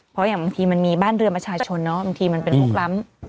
เพราะอย่างบางทีมันมีบ้านเรือนประชาชนเนาะบางทีมันเป็นลุกล้ำ